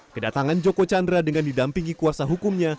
kedatangan joko chandra dengan didampingi kuasa hukumnya